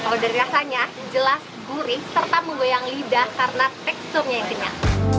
kalau dari rasanya jelas gurih serta menggoyang lidah karena teksturnya yang kenyang